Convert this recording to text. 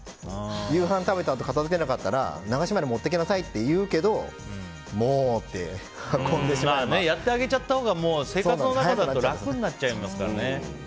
夕飯食べて片づけなかったら流しまで持っていきなさいって言うけどやってしまったほうが生活の中で楽になっちゃいますからね。